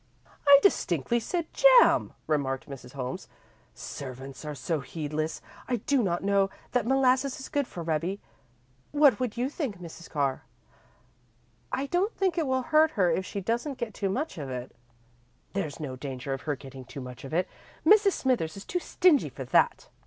"I distinctly said jam," remarked Mrs. Holmes. "Servants are so heedless. I do not know that molasses is good for Rebbie. What would you think, Mrs. Carr?" "I don't think it will hurt her if she doesn't get too much of it." "There's no danger of her getting too much of it. Mrs. Smithers is too stingy for that.